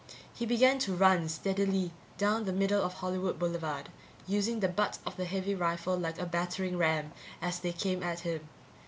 He began to run steadily down the middle of Hollywood Boulevard, using the butt of the heavy rifle like a battering ram as they came at him.